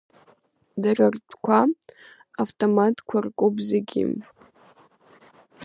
Дара рытәқәа автоматқәа ркуп зегьы.